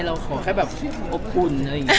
เราขอแบบอบอุ่น